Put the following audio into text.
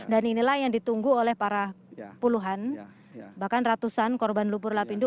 dan inilah yang ditunggu oleh para puluhan bahkan ratusan korban lumpur lapindo